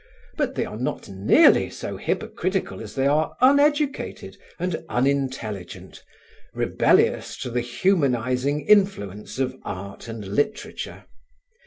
But they are not nearly so hypocritical as they are uneducated and unintelligent, rebellious to the humanising influence of art and literature.